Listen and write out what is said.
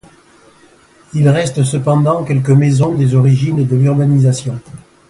Il reste cependant quelques maisons des origines de l'urbanisation.